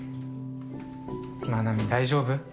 真奈美大丈夫？